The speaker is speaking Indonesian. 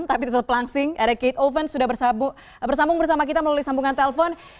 tapi tetap langsing ada kate ovens sudah bersambung bersama kita melalui sambungan telepon